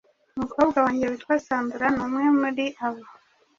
Umukobwa wanjye witwa Sandra ni umwe muri abo.